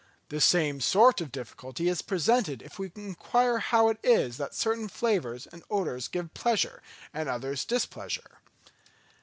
The same sort of difficulty is presented if we enquire how it is that certain flavours and odours give pleasure, and others displeasure.